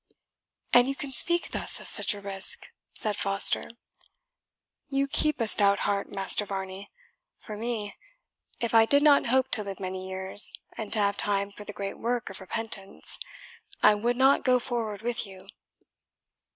"And you can speak thus of such a risk!" said Foster. "You keep a stout heart, Master Varney. For me, if I did not hope to live many years, and to have time for the great work of repentance, I would not go forward with you."